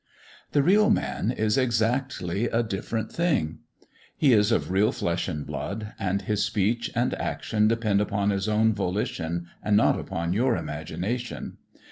The real man is exactly a different thing. He is of real flesh and blood, and his speech and action depend upon his own volition and not upon your imagination.